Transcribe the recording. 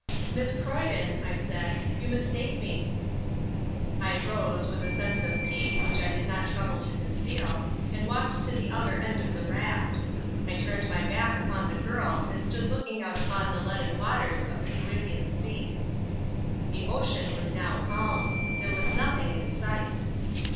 "Miss Croyden," I said, "you mistake me." I rose, with a sense of pique which I did not trouble to conceal, and walked to the other end of the raft. I turned my back upon the girl and stood looking out upon the leaden waters of the Caribbean Sea. The ocean was now calm. There was nothing in sight.